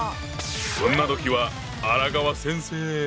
そんな時は荒川先生！